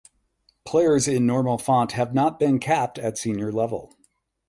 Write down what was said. Players in normal font have not been capped at senior level.